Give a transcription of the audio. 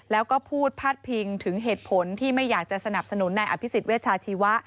แล้วก็พูดพาดพิงถึงเหตุผลที่ไม่อยากจะสนับสนุนนายอภิษฎเวชาชีวะ